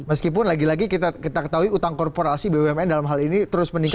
meskipun lagi lagi kita ketahui utang korporasi bumn dalam hal ini terus meningkat